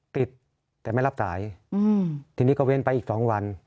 ติดแต่ไม่รับสายทีนี้ก็เว้นไปอีก๒วัน